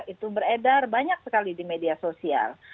itu beredar banyak sekali di media sosial